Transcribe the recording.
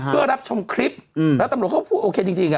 เพื่อรับชมคลิปแล้วตำรวจเขาก็พูดโอเคจริง